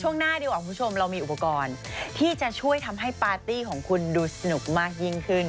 หน้าดีกว่าคุณผู้ชมเรามีอุปกรณ์ที่จะช่วยทำให้ปาร์ตี้ของคุณดูสนุกมากยิ่งขึ้น